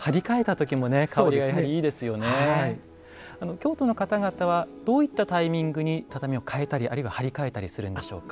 京都の方々はどういったタイミングに畳を替えたりあるいは張り替えたりするんでしょうか。